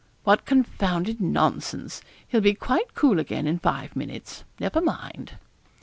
What confounded nonsense! He'll be quite cool again in five minutes. Never mind.'